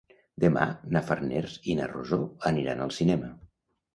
Demà na Farners i na Rosó aniran al cinema.